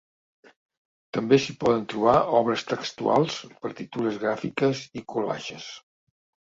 També s’hi poden trobar obres textuals, partitures gràfiques i collages.